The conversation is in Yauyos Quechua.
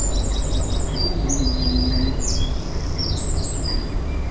Rumi mayuman ishkiqlun.